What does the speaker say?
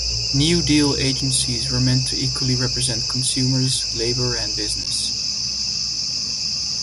New Deal agencies were meant to equally represent consumers, labor and business.